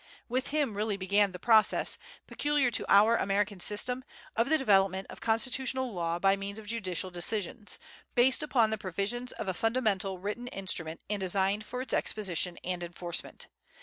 With him really began the process, peculiar to our American system, of the development of constitutional law by means of judicial decisions, based upon the provisions of a fundamental written instrument and designed for its exposition and enforcement.